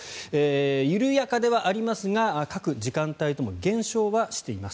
緩やかではありますが各時間帯とも減少はしています。